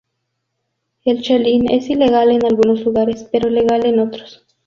El chelín es ilegal en algunos lugares, pero legal en otros.